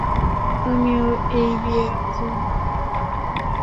তুমিও এই বিয়ে রাজি নও?